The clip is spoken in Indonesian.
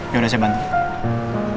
ya dari tiap tahun